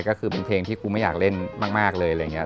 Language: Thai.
ก็คือเป็นเพลงที่กูไม่อยากเล่นมากเลย